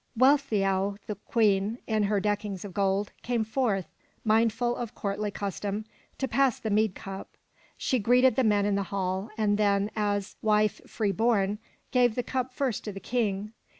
Weal'theow, the Queen, in her deckings of gold, came forth, mindful of courtly custom, to pass the mead cup. She greeted the men in the hall, and then, as wife free born, gave the cup 416 FROM THE TOWER WINDOW first to the King.